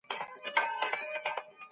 نړۍ پرمختګ وکړ او خلک اسانتياوې ترلاسه کړې.